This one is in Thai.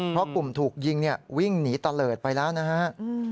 เพราะกลุ่มถูกยิงเนี่ยวิ่งหนีตะเลิศไปแล้วนะฮะ